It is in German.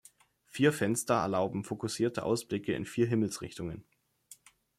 Vier Fenster erlauben fokussierte Ausblicke in vier Himmelsrichtungen.